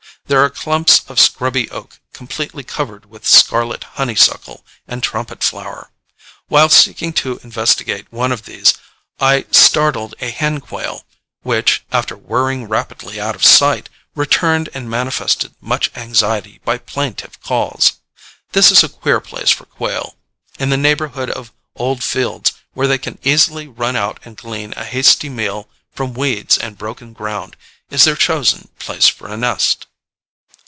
There are clumps of scrubby oak completely covered with scarlet honeysuckle and trumpet flower. While seeking to investigate one of these I startled a hen quail, which, after whirring rapidly out of sight, returned and manifested much anxiety by plaintive calls. This is a queer place for quail: in the neighborhood of old fields, where they can easily run out and glean a hasty meal from weeds and broken ground, is their chosen place for a nest.